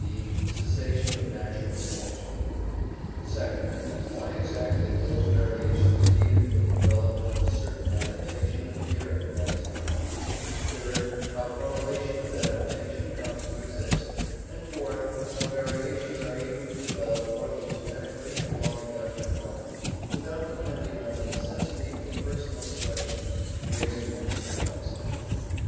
e., cessation of natural selec tion) ; second, why exactly those variations needed for the development of a certain adaptation appear at the right time; third, how correlation of adaptation comes to exist; and, fourth, how variations are able to develop orthogenetically along a definite line, without depending on the necessity of a personal selection raising them step by step.